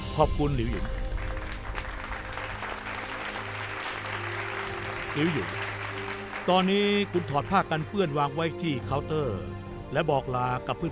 ขอบคุณหรือยุ้น